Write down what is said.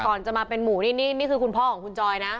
ก่อนจะมาเป็นหมูนี่คือคุณพ่อของคุณจอยนะ